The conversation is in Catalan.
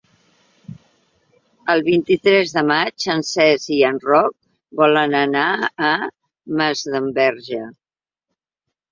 El vint-i-tres de maig en Cesc i en Roc volen anar a Masdenverge.